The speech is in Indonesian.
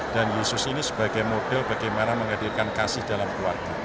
dan yesus ini sebagai model bagaimana menghadirkan kasih dalam keluarga